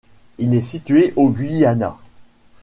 Il est situé au Guyana.